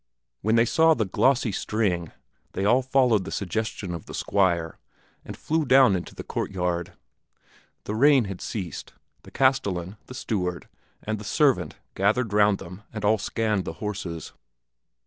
When they saw the glossy string, they all followed the suggestion of the Squire and flew down into the courtyard. The rain had ceased; the castellan, the steward, and the servant gathered round them and all scanned the horses.